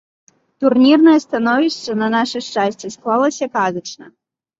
Турнірнае становішча, на наша шчасце, склалася казачна.